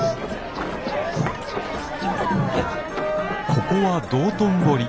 ここは道頓堀。